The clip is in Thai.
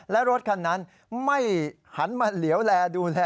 และรถคันนั้นไม่หันมาเหลียวแลดูแล